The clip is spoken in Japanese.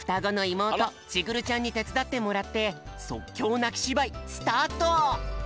もうとちぐるちゃんにてつだってもらってそっきょうなきしばいスタート！